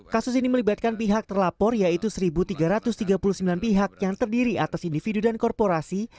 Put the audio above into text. kasus ini melibatkan pihak terlapor yaitu satu tiga ratus tiga puluh sembilan pihak yang terdiri atas individu dan korporasi